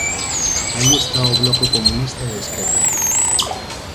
Aí está o Bloco Comunista de Esquerda.